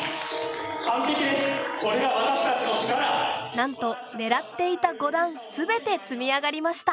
なんと狙っていた５段全て積み上がりました！